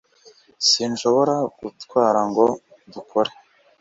Sinshobora kugutwara ngo dukore